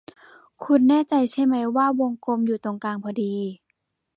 คุณแน่ใจใช่ไหมว่าวงกลมอยู่ตรงกลางพอดี